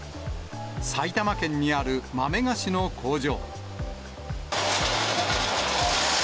埼玉県にある豆菓子の工場。